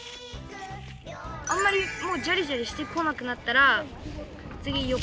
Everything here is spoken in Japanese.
あんまりもうジャリジャリしてこなくなったらつぎよ